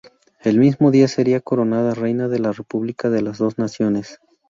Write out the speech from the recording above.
El mismo día sería coronada reina de la República de las Dos Naciones.